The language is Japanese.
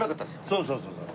そうそうそうそう。